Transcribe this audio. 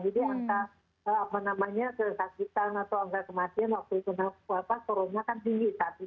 jadi apa namanya ke sakitan atau kematian waktu itu apa koronanya kan tinggi saat itu